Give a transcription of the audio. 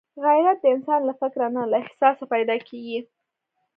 غیرت د انسان له فکره نه، له احساسه پیدا کېږي